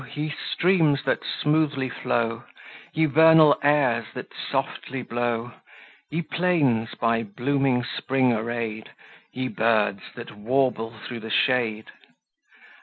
ye streams that smoothly flow; Ye vernal airs that softly blow; Ye plains, by blooming spring arrayed; Ye birds that warble through the shade.